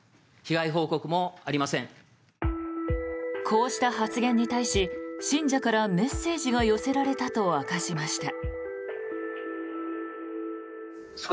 こうした発言に対し、信者からメッセージが寄せられたと明かしました。